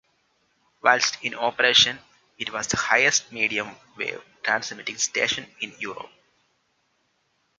Whilst in operation, it was the highest medium wave transmitting station in Europe.